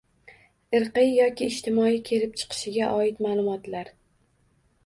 Irqiy yoki ijtimoiy kelib chiqishga oid ma’lumotlar